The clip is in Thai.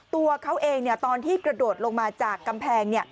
ตัวเขาเองตอนที่กระโดดลงมาจากกำแพง